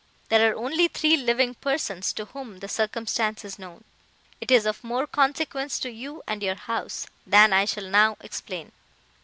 There are only three living persons, to whom the circumstance is known; it is of more consequence to you and your house, than I shall now explain.